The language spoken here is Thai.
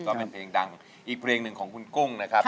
ก็เป็นเพลงดังอีกเพลงหนึ่งของคุณกุ้งนะครับ